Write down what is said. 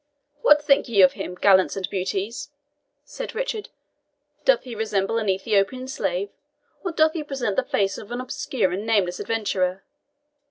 "What think ye of him, gallants and beauties?" said Richard. "Doth he resemble an Ethiopian slave, or doth he present the face of an obscure and nameless adventurer?